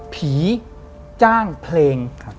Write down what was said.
ผีจ้างเพลง